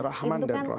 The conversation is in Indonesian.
rahman dan rahim